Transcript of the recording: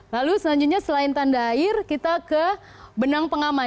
lalu selanjutnya selain tanda air kita ke benang pengaman